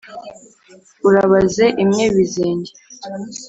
Urabaze imwe Bizinge*